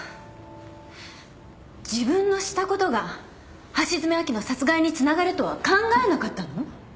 自分のしたことが橋爪亜希の殺害につながるとは考えなかったの？